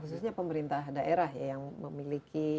khususnya pemerintah daerah ya yang memiliki